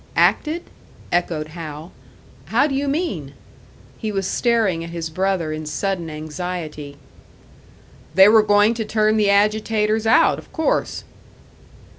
"Acted?" echoed Hal. "How do you mean?" He was staring at his brother in sudden anxiety. "They were going to turn the agitators out, of course."